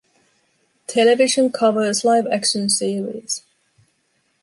Television covers live action series.